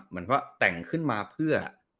เหมือนว่าแต่งขึ้นมาเพื่อ